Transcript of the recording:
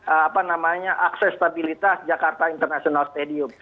apa namanya akses stabilitas jakarta international stadium